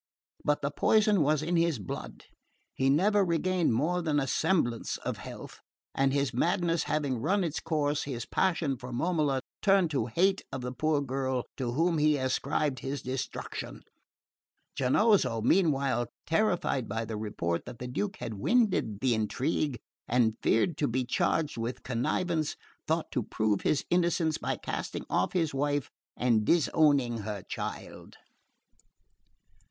But the poison was in his blood. He never regained more than a semblance of health, and his madness having run its course, his passion for Momola turned to hate of the poor girl to whom he ascribed his destruction. Giannozzo, meanwhile, terrified by the report that the Duke had winded the intrigue, and fearing to be charged with connivance, thought to prove his innocence by casting off his wife and disowning her child.